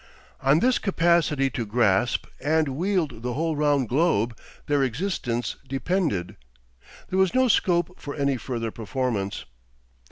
On this capacity to grasp and wield the whole round globe their existence depended. There was no scope for any further performance.